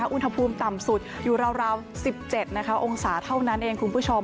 อุณหภูมิต่ำสุดอยู่ราว๑๗องศาเท่านั้นเองคุณผู้ชม